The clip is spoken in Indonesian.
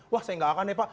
wah saya gak akan ya pak